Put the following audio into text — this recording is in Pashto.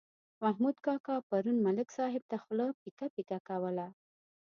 محمود کاکا پرون ملک صاحب ته خوله پیکه پیکه کوله.